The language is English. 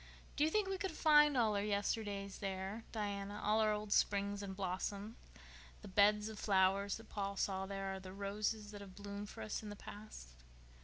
"Do you think we could find all our yesterdays there, Diana—all our old springs and blossoms? The beds of flowers that Paul saw there are the roses that have bloomed for us in the past?"